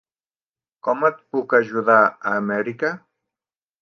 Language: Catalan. Com et puc ajudar a Amèrica?